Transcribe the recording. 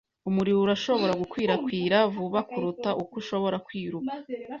Umuriro urashobora gukwirakwira vuba kuruta uko ushobora kwiruka.